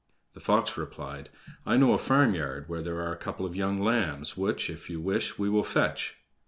The fox replied: "I know a farmyard where there are a couple of young lambs, which, if you wish, we will fetch."